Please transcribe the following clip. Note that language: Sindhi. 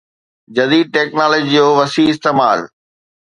جديد ٽيڪنالاجي جو وسيع استعمال